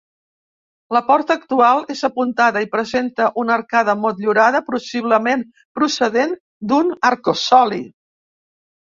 La porta actual és apuntada, i presenta una arcada motllurada, possiblement procedent d'un arcosoli.